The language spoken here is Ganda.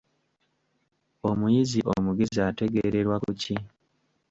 Omuyizi omugezi ategeererwa ku ki?